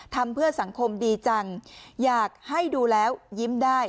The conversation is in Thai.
ทำเพื่อสังคมดีจังอยากให้ดูแล้วยิ้มได้